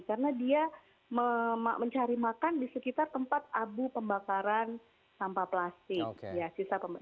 karena dia mencari makan di sekitar tempat abu pembakaran tanpa plastik